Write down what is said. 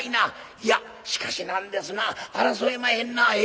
いやしかし何ですな争えまへんなえ？